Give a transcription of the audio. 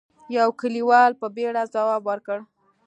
يوه کليوال په بيړه ځواب ورکړ: